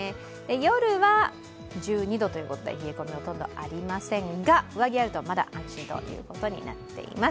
夜は１２度ということで、冷え込みほとんどありませんが上着あるとまだ安心ということになっています。